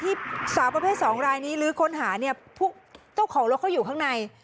สาวประเภท๒รายนี้ลื้อค้นหาเนี่ยพวกเจ้าของรถเขาอยู่ข้างใน